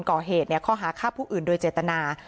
ก่อเหตุข้อหาฆ่าผู้อื่นโดยเจตนา